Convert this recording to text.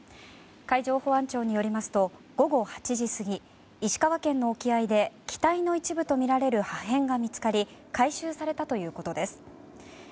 海上保安庁によりますと午後８時過ぎ石川県の沖合で機体の一部とみられる破片が見つかり回収されたということです。